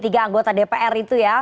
tiga anggota dpr itu ya